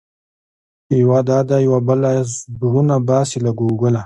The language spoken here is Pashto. یوه دا ده يوه بله، زړونه باسې له ګوګله